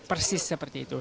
persis seperti itu